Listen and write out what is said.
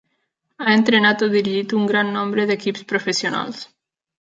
Ha entrenat o dirigit un gran nombre d'equips professionals.